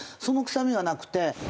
その臭みがなくて。